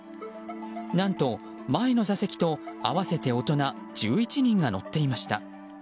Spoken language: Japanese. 何と前の座席と合わせて大人１１人が乗っていました。